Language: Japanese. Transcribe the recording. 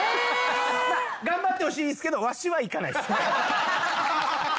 まあ頑張ってほしいですけどわしは行かないです。